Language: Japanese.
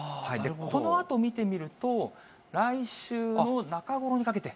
このあと見てみると、来週の中ごろにかけて。